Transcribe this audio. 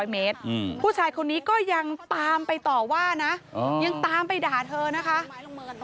หนูจอดรอนะหนูหนูยังไม่รู้ว่าหนูจะไปไหน